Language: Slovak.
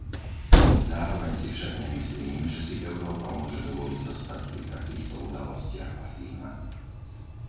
Zároveň si však nemyslím, že si Európa môže dovoliť zostať pri takýchto udalostiach pasívna.